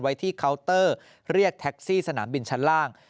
ไว้ที่เคาน์เตอร์เรียกแท็กซี่สนามบินชั้นล่าง